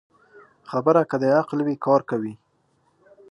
خبره که د عقل وي، کار کوي